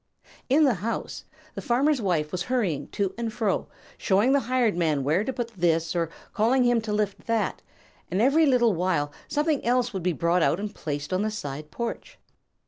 In the house, the Farmer's Wife was hurrying to and fro, showing the Hired Man where to put this or calling him to lift that, and every little while something else would be brought out and placed on the side porch.